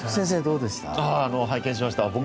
拝見しました。